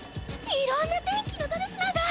いろんな天気のドレスなんだ！